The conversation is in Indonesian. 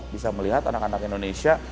bisa melihat anak anak indonesia